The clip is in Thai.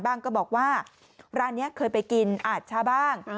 ก็บอกว่าร้านนี้เคยไปกินอาจช้าบ้าง